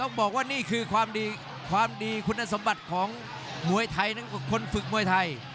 บอกว่านี่คือความดีคุณสมบัติของมวยไทยคนฝึกมวยไทย